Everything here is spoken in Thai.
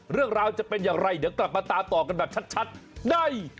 เรื่องราวจะเป็นอย่างไรเดี๋ยวกลับมาตามต่อกันแบบชัดได้